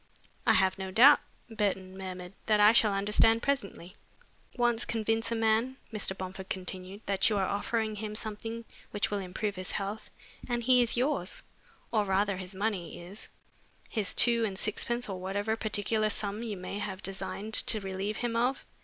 "I have no doubt," Burton murmured, "that I shall understand presently." "Once convince a man," Mr. Bomford continued, "that you are offering him something which will improve his health, and he is yours, or rather his money is his two and sixpence or whatever particular sum you may have designed to relieve him of.